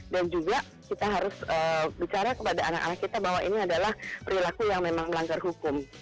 dan juga kita harus bicara kepada anak anak kita bahwa ini adalah perilaku yang memang melanggar hukum